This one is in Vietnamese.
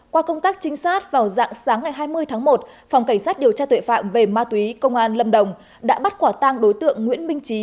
qua công tác trinh sát vào dạng sáng ngày hai mươi tháng một phòng cảnh sát điều tra tội phạm về ma túy công an lâm đồng đã bắt quả tang đối tượng nguyễn minh trí